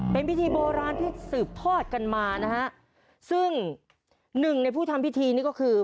เป็นพิธีโบราณที่สืบทอดกันมานะฮะซึ่งหนึ่งในผู้ทำพิธีนี่ก็คือ